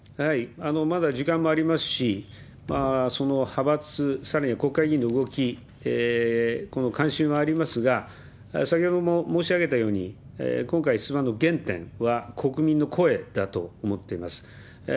まだ時間もありますし、派閥、さらには国会議員の動き、この慣習もありますが、先ほども申し上げたように、今回、原点は国民の声だと思っています。